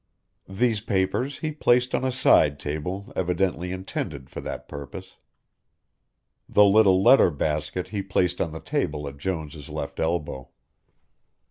These papers he placed on a side table evidently intended for that purpose. The little letter basket he placed on the table at Jones' left elbow.